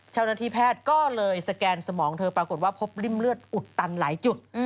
เจ้าหน้าที่แพทย์ก็เลยสแกนสมองเธอปรากฏว่าพบริ่มเลือดอุดตันหลายจุด